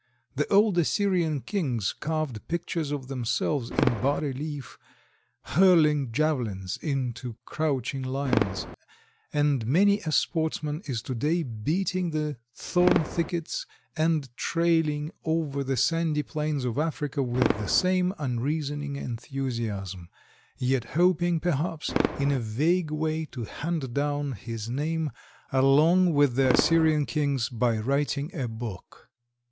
The old Assyrian kings carved pictures of themselves in bas relief hurling javelins into crouching Lions, and many a sportsman is to day beating the thorn thickets and trailing over the sandy plains of Africa with the same unreasoning enthusiasm, yet hoping, perhaps, in a vague way to hand down his name along with the Assyrian kings by writing a book.